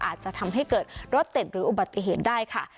อาจจะทำให้เกิดรถติดหรืออุบัติเหตุได้ค่ะ